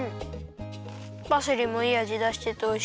パセリもいいあじだしてておいしい。